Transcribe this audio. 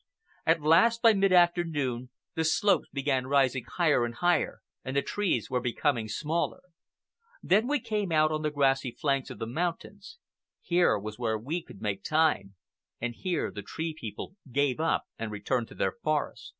At last, by mid afternoon, the slopes began rising higher and higher and the trees were becoming smaller. Then we came out on the grassy flanks of the mountains. Here was where we could make time, and here the Tree People gave up and returned to their forest.